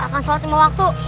akan sholat sama waktu